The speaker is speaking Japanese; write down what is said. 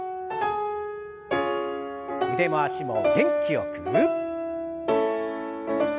腕も脚も元気よく。